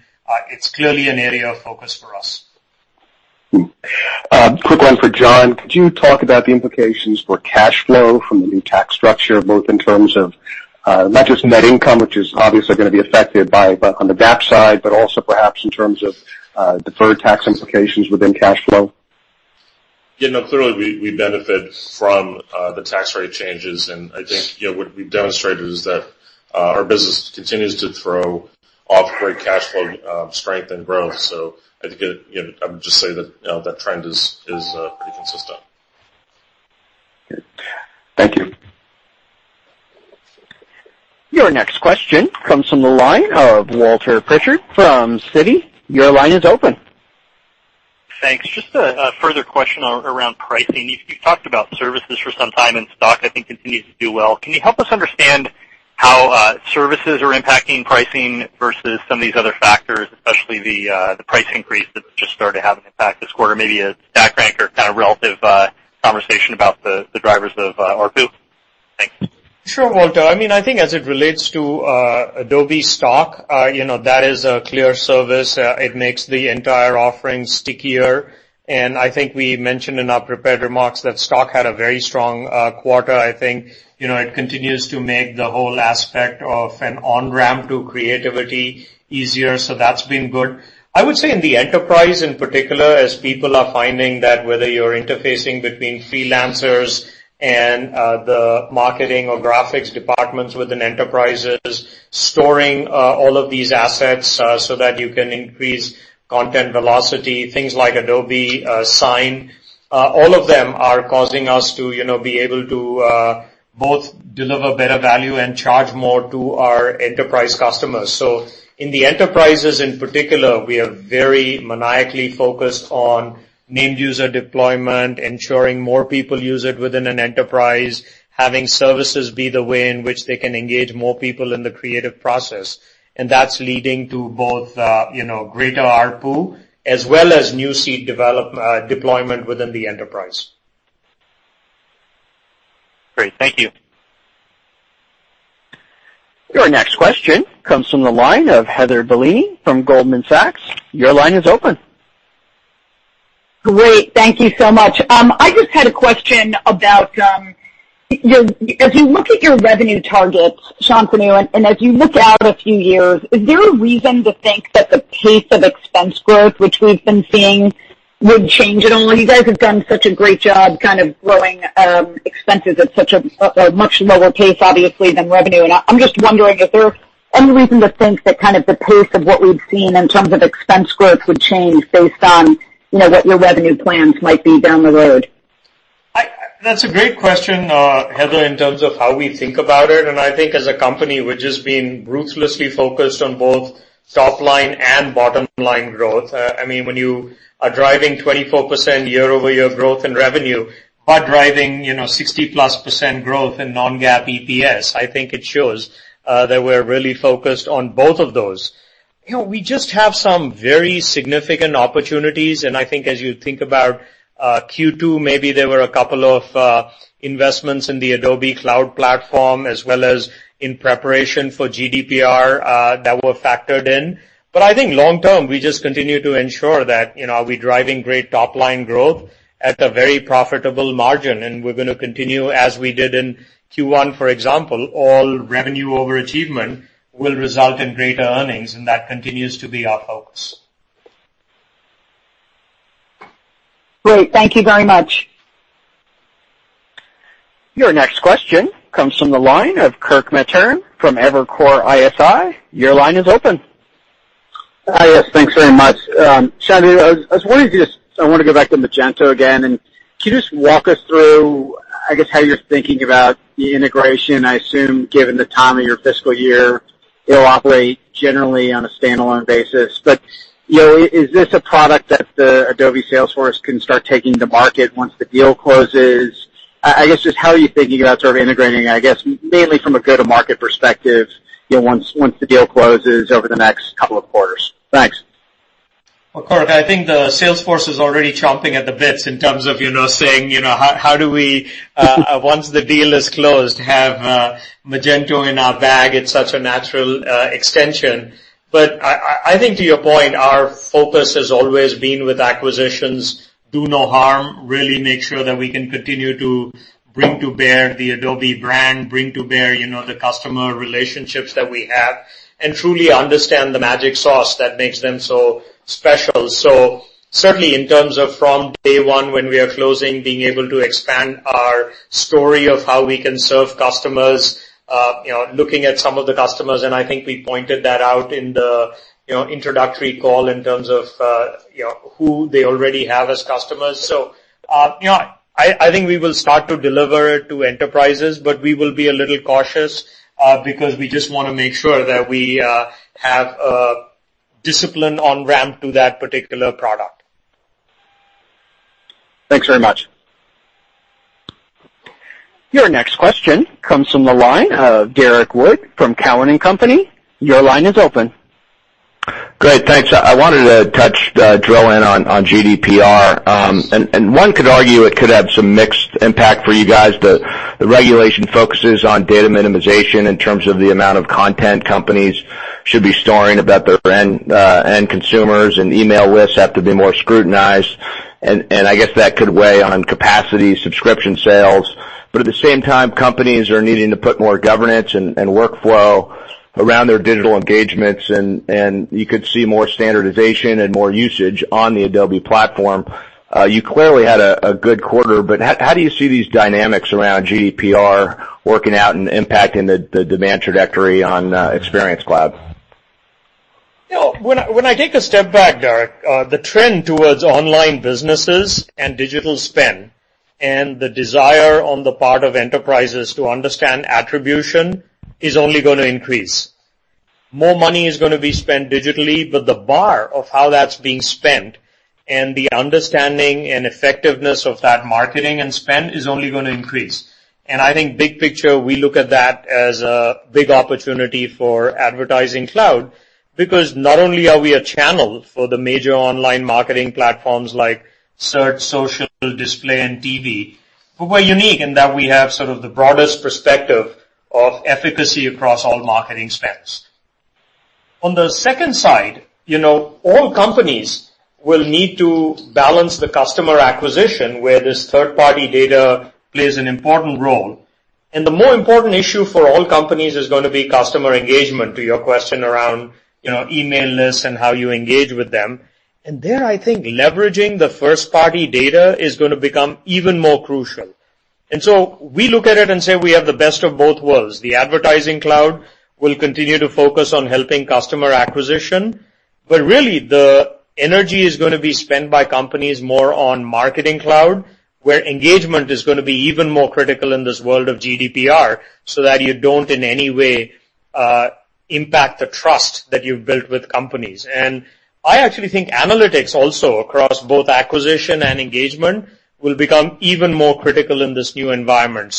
it's clearly an area of focus for us. A quick one for John. Could you talk about the implications for cash flow from the new tax structure, both in terms of not just net income, which is obviously going to be affected on the GAAP side, but also perhaps in terms of deferred tax implications within cash flow? Clearly, we benefit from the tax rate changes. I think what we've demonstrated is that our business continues to throw off great cash flow strength and growth. I would just say that trend is pretty consistent. Good. Thank you. Your next question comes from the line of Walter Pritchard from Citi. Your line is open. Thanks. Just a further question around pricing. You've talked about services for some time. Stock, I think, continues to do well. Can you help us understand how services are impacting pricing versus some of these other factors, especially the price increase that just started having an impact this quarter? Maybe a stack rank or kind of relative conversation about the drivers of ARPU. Thanks. Sure, Walter. I think as it relates to Adobe Stock, that is a clear service. It makes the entire offering stickier. I think we mentioned in our prepared remarks that Stock had a very strong quarter. I think it continues to make the whole aspect of an on-ramp to creativity easier. That's been good. I would say in the enterprise in particular, as people are finding that whether you're interfacing between freelancers, the marketing or graphics departments within enterprises storing all of these assets so that you can increase content velocity, things like Adobe Sign, all of them are causing us to be able to both deliver better value and charge more to our enterprise customers. In the enterprises, in particular, we are very maniacally focused on named user deployment, ensuring more people use it within an enterprise, having services be the way in which they can engage more people in the creative process. That's leading to both greater ARPU, as well as new seed deployment within the enterprise. Great. Thank you. Your next question comes from the line of Heather Bellini from Goldman Sachs. Your line is open. Great. Thank you so much. I just had a question about, if you look at your revenue targets, Shantanu, as you look out a few years, is there a reason to think that the pace of expense growth, which we've been seeing, would change at all? You guys have done such a great job kind of growing expenses at such a much lower pace, obviously, than revenue. I'm just wondering if there's any reason to think that kind of the pace of what we've seen in terms of expense growth would change based on what your revenue plans might be down the road. That's a great question, Heather, in terms of how we think about it. I think as a company, we're just being ruthlessly focused on both top-line and bottom-line growth. When you are driving 24% year-over-year growth in revenue while driving 60-plus % growth in non-GAAP EPS, I think it shows that we're really focused on both of those. We just have some very significant opportunities. I think as you think about Q2, maybe there were a couple of investments in the Adobe Cloud Platform as well as in preparation for GDPR that were factored in. I think long term, we just continue to ensure that we're driving great top-line growth at a very profitable margin. We're going to continue as we did in Q1, for example, all revenue overachievement will result in greater earnings, and that continues to be our focus. Great. Thank you very much. Your next question comes from the line of Kirk Materne from Evercore ISI. Your line is open. Yes, thanks very much. Shantanu, I was wondering if you want to go back to Magento again, can you just walk us through, I guess, how you're thinking about the integration? I assume, given the time of your fiscal year, it'll operate generally on a standalone basis. Is this a product that the Adobe salesforce can start taking to market once the deal closes? I guess, just how are you thinking about sort of integrating, I guess, mainly from a go-to-market perspective once the deal closes over the next couple of quarters? Thanks. Well, Kirk, I think the salesforce is already chomping at the bits in terms of saying, "How do we, once the deal is closed, have Magento in our bag?" It's such a natural extension. I think to your point, our focus has always been with acquisitions, do no harm, really make sure that we can continue to bring to bear the Adobe brand, bring to bear the customer relationships that we have, and truly understand the magic sauce that makes them so special. Certainly, in terms of from day one when we are closing, being able to expand our story of how we can serve customers, looking at some of the customers, I think we pointed that out in the introductory call in terms of who they already have as customers. I think we will start to deliver to enterprises, but we will be a little cautious because we just want to make sure that we have a discipline on-ramp to that particular product. Thanks very much. Your next question comes from the line of Derrick Wood from Cowen and Company. Your line is open. Great. Thanks. I wanted to touch, drill in on GDPR. One could argue it could have some mixed impact for you guys. The regulation focuses on data minimization in terms of the amount of content companies should be storing about their end consumers, and email lists have to be more scrutinized. I guess that could weigh on capacity subscription sales. At the same time, companies are needing to put more governance and workflow around their digital engagements, and you could see more standardization and more usage on the Adobe platform. You clearly had a good quarter, how do you see these dynamics around GDPR working out and impacting the demand trajectory on Experience Cloud? When I take a step back, Derrick, the trend towards online businesses and digital spend, the desire on the part of enterprises to understand attribution is only going to increase. More money is going to be spent digitally, but the bar of how that's being spent and the understanding and effectiveness of that marketing and spend is only going to increase. I think big picture, we look at that as a big opportunity for Advertising Cloud, because not only are we a channel for the major online marketing platforms like search, social, display, and TV, but we're unique in that we have sort of the broadest perspective of efficacy across all marketing spends. On the second side, all companies will need to balance the customer acquisition where this third-party data plays an important role. The more important issue for all companies is going to be customer engagement, to your question around email lists and how you engage with them. There, I think leveraging the first-party data is going to become even more crucial. We look at it and say we have the best of both worlds. The Advertising Cloud will continue to focus on helping customer acquisition, but really the energy is going to be spent by companies more on Marketing Cloud, where engagement is going to be even more critical in this world of GDPR, so that you don't in any way impact the trust that you've built with companies. I actually think analytics also, across both acquisition and engagement, will become even more critical in this new environment.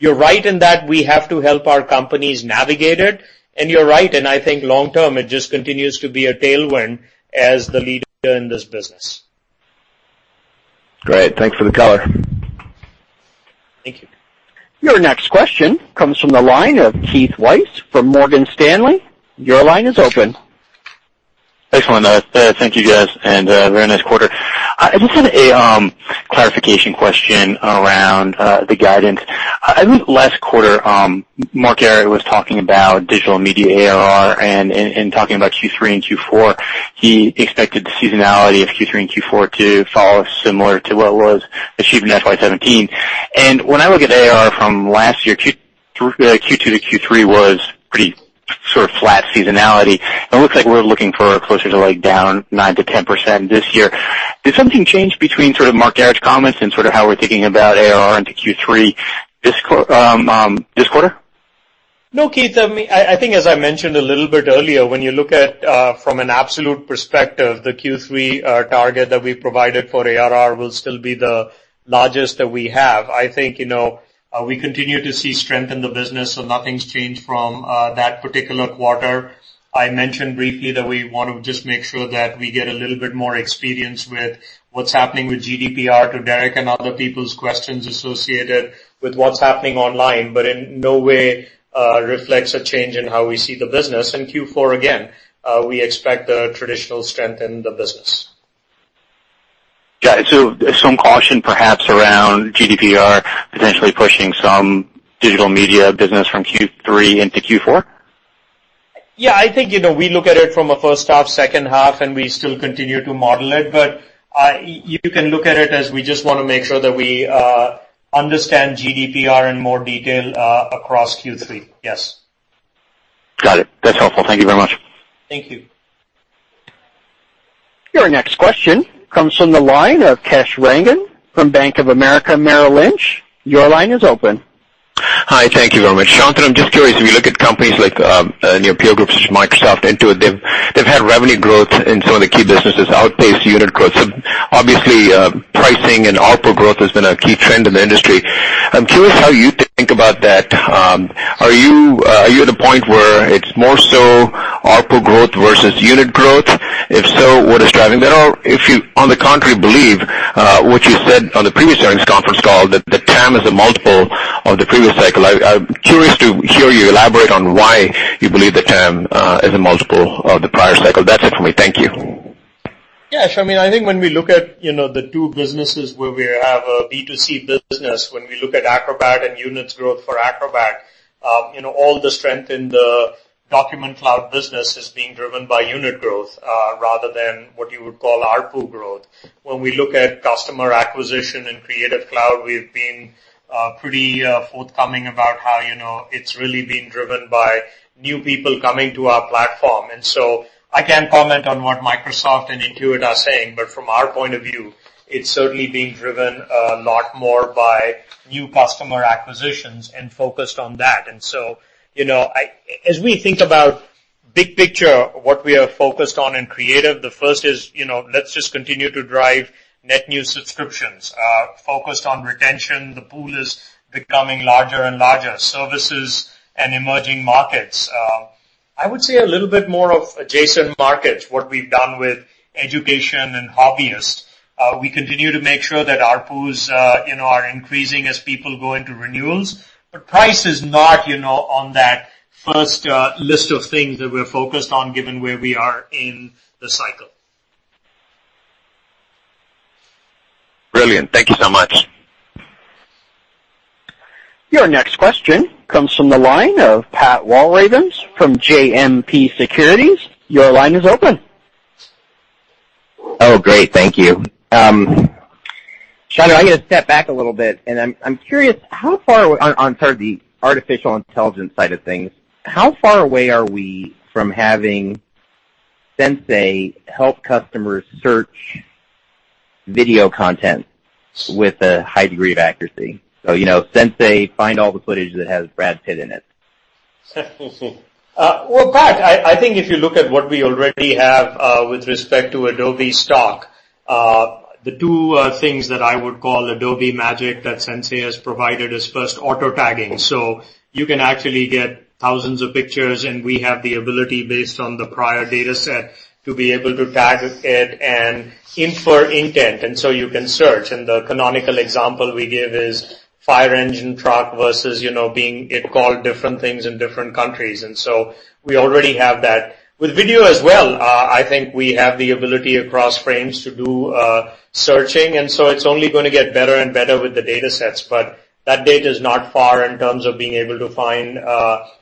You're right in that we have to help our companies navigate it. You're right, and I think long-term, it just continues to be a tailwind as the leader in this business. Great. Thanks for the color. Thank you. Your next question comes from the line of Keith Weiss from Morgan Stanley. Your line is open. Excellent. Thank you, guys, and very nice quarter. This is a clarification question around the guidance. I think last quarter, Mark Garrett was talking about digital media ARR, and in talking about Q3 and Q4, he expected the seasonality of Q3 and Q4 to follow similar to what was achieved in FY 2017. When I look at ARR from last year, Q2 to Q3 was pretty sort of flat seasonality, and it looks like we're looking for closer to down 9%-10% this year. Did something change between sort of Mark Garrett's comments and sort of how we're thinking about ARR into Q3 this quarter? No, Keith. I think as I mentioned a little bit earlier, when you look at, from an absolute perspective, the Q3 target that we provided for ARR will still be the largest that we have. I think we continue to see strength in the business, nothing's changed from that particular quarter. I mentioned briefly that we want to just make sure that we get a little bit more experience with what's happening with GDPR, to Derrick and other people's questions associated with what's happening online, in no way reflects a change in how we see the business. In Q4, again, we expect the traditional strength in the business. Got it. Some caution perhaps around GDPR potentially pushing some digital media business from Q3 into Q4? Yeah, I think we look at it from a first half, second half, we still continue to model it. You can look at it as we just want to make sure that we understand GDPR in more detail across Q3. Yes. Got it. That's helpful. Thank you very much. Thank you. Your next question comes from the line of Kash Rangan from Bank of America Merrill Lynch. Your line is open. Hi. Thank you very much. Shantanu, I'm just curious, if you look at companies like your peer groups such as Microsoft, Intuit, they've had revenue growth in some of the key businesses outpace unit growth. Obviously, pricing and ARPU growth has been a key trend in the industry. I'm curious how you think about that. Are you at a point where it's more so ARPU growth versus unit growth? If you, on the contrary, believe what you said on the previous earnings conference call, that the TAM is a multiple of the previous cycle. I'm curious to hear you elaborate on why you believe the TAM is a multiple of the prior cycle. That's it for me. Thank you. I think when we look at the two businesses where we have a B2C business, when we look at Acrobat and units growth for Acrobat, all the strength in the Document Cloud business is being driven by unit growth rather than what you would call ARPU growth. When we look at customer acquisition in Creative Cloud, we've been pretty forthcoming about how it's really being driven by new people coming to our platform. I can't comment on what Microsoft and Intuit are saying, but from our point of view, it's certainly being driven a lot more by new customer acquisitions and focused on that. As we think about big picture, what we are focused on in Creative, the first is, let's just continue to drive net new subscriptions, focused on retention. The pool is becoming larger and larger. Services and emerging markets. I would say a little bit more of adjacent markets, what we've done with education and hobbyists. We continue to make sure that ARPUs are increasing as people go into renewals. Price is not on that first list of things that we're focused on given where we are in the cycle. Brilliant. Thank you so much. Your next question comes from the line of Pat Walravens from JMP Securities. Your line is open. Oh, great. Thank you. Shantanu, I'm going to step back a little bit, and I'm curious, on sort of the artificial intelligence side of things, how far away are we from having Sensei help customers search video content with a high degree of accuracy? Sensei, find all the footage that has Brad Pitt in it. Well, Pat, I think if you look at what we already have with respect to Adobe Stock, the two things that I would call Adobe magic that Sensei has provided is first auto-tagging. You can actually get thousands of pictures, and we have the ability based on the prior dataset to be able to tag it and infer intent, and so you can search. The canonical example we give is fire engine truck versus being called different things in different countries. We already have that. With video as well, I think we have the ability across frames to do searching, and so it's only going to get better and better with the datasets. That data is not far in terms of being able to find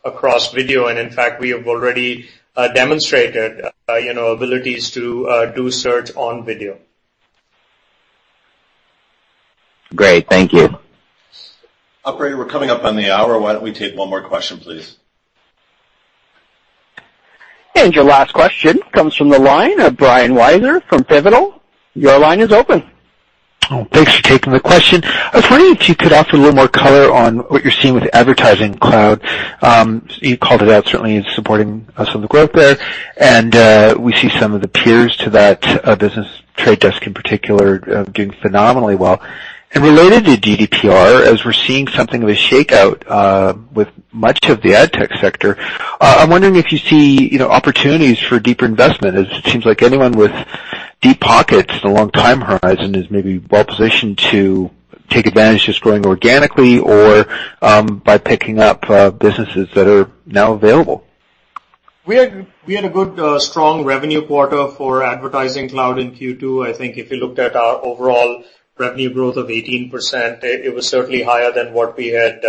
across video, and in fact, we have already demonstrated abilities to do search on video. Great. Thank you. Operator, we're coming up on the hour. Why don't we take one more question, please? Your last question comes from the line of Brian Wieser from Pivotal. Your line is open. Thanks for taking the question. I was wondering if you could offer a little more color on what you're seeing with Advertising Cloud. You called it out, certainly it's supporting some of the growth there, we see some of the peers to that business, Trade Desk in particular, doing phenomenally well. Related to GDPR, as we're seeing something of a shakeout with much of the ad tech sector, I'm wondering if you see opportunities for deeper investment, as it seems like anyone with deep pockets and a long time horizon is maybe well-positioned to take advantage just growing organically or by picking up businesses that are now available. We had a good, strong revenue quarter for Advertising Cloud in Q2. I think if you looked at our overall revenue growth of 18%, it was certainly higher than what we had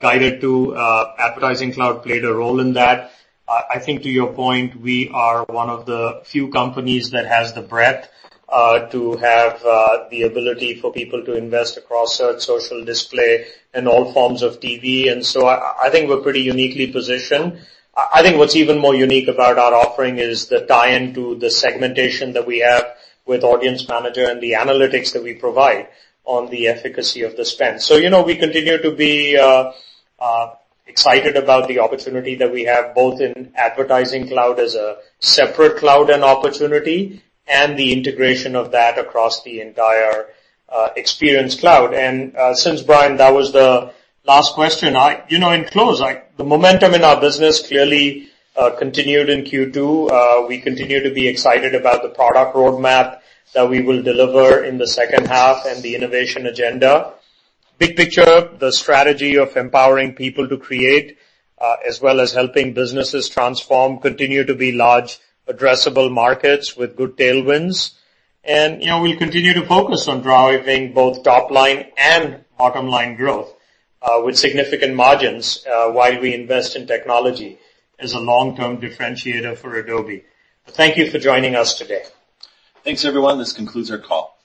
guided to. Advertising Cloud played a role in that. I think to your point, we are one of the few companies that has the breadth to have the ability for people to invest across search, social, display, and all forms of TV. I think we're pretty uniquely positioned. I think what's even more unique about our offering is the tie-in to the segmentation that we have with Audience Manager and the analytics that we provide on the efficacy of the spend. We continue to be excited about the opportunity that we have, both in Advertising Cloud as a separate cloud and opportunity, and the integration of that across the entire Experience Cloud. Since Brian, that was the last question, in close, the momentum in our business clearly continued in Q2. We continue to be excited about the product roadmap that we will deliver in the second half and the innovation agenda. Big picture, the strategy of empowering people to create, as well as helping businesses transform, continue to be large addressable markets with good tailwinds. We continue to focus on driving both top-line and bottom-line growth, with significant margins, while we invest in technology as a long-term differentiator for Adobe. Thank you for joining us today. Thanks, everyone. This concludes our call.